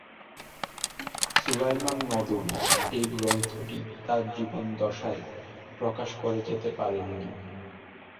সুলাইমান নদভী এ গ্রন্থটি তার জীবদ্দশায় প্রকাশ করে যেতে পারেননি।